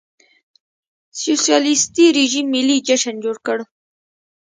سوسیالېستي رژیم ملي جشن جوړ کړ.